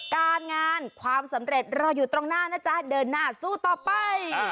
การงานความสำเร็จรออยู่ตรงหน้านะจ๊ะเดินหน้าสู้ต่อไป